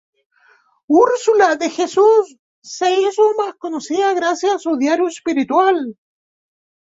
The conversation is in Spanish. Úrsula de Jesús se hizo más conocida gracias a su diario espiritual.